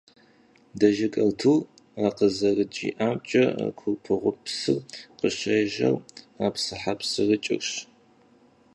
Дэжыг Артур къызэрыджиӀамкӀэ, Курпыгъупсыр къыщежьэр «ПсыхьэпсырыкӀырщ».